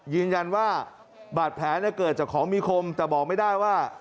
ยืนยันว่าบาดแผลเกิดจากของมีคมแต่บอกไม่ได้ว่า